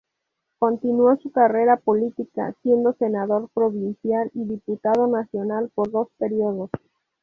Continuó su carrera política siendo senador provincial y diputado nacional por dos períodos.